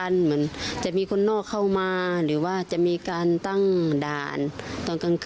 ว่าเสียแป้งคงไม่น่าใช้เส้นทางนี้หรอก